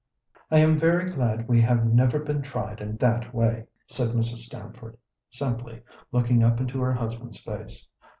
"I am very glad we have never been tried in that way," said Mrs. Stamford, simply, looking up into her husband's face.